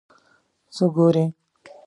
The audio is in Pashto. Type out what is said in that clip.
څه ګورې ؟